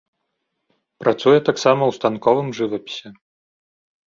Працуе таксама ў станковым жывапісе.